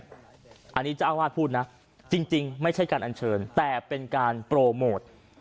อันนี้เจ้าอาวาสพูดนะจริงไม่ใช่การอัญเชิญแต่เป็นการโปรโมท